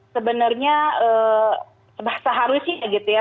sebenarnya seharusnya gitu ya